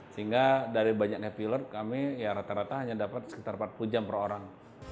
sehingga dari banyak netiler kami ya rata rata hanya dapat sekitar empat puluh jam per orang